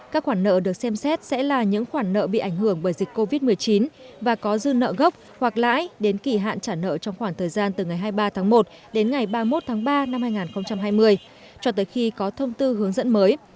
các khoản nợ được xem xét sẽ là những khoản nợ bị ảnh hưởng bởi dịch covid một mươi chín và có dư nợ gốc hoặc lãi đến kỳ hạn trả nợ trong khoảng thời gian từ ngày hai mươi ba tháng một đến ngày ba mươi một tháng ba năm hai nghìn hai mươi cho tới khi có thông tư hướng dẫn mới